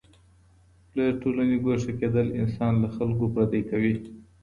له ټولني ګوښه کېدل انسان له خلګو پردی کوي.